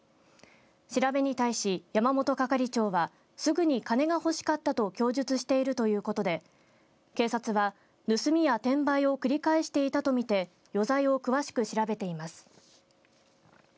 調べに対し、山本係長はすぐに金が欲しかったと供述しているということで警察は盗みや転売を繰り返していたとみて余罪を詳しく調べています。